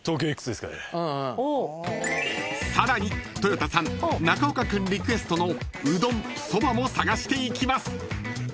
［さらにとよたさん・中岡君リクエストのうどん・そばも探していきます］